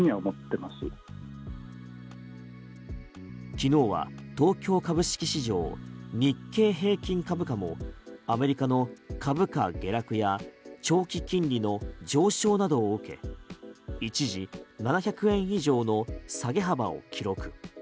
昨日は東京株式市場日経平均株価もアメリカの株価下落や長期金利の上昇などを受け一時７００円以上の下げ幅を記録。